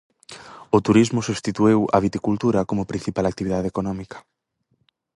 O turismo substituíu a viticultura como principal actividade económica.